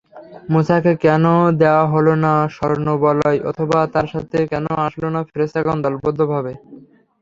মূসাকে কেন দেয়া হল না স্বর্ণবলয় অথবা তার সাথে কেন আসল না ফেরেশতাগণ দলবদ্ধভাবে?